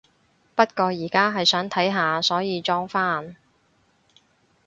不過而家係想睇下，所以裝返